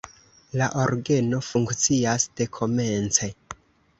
La orgeno funkcias dekomence.